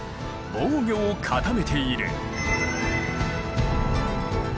防御を固めている。